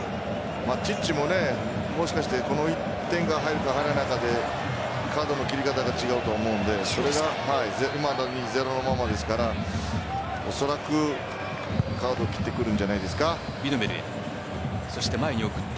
チッチももしかしてこの１点が入るか入らないかでカードの切り方が違うと思うんでいまだに、０のままですからおそらくカードを切ってくるんじゃないですか。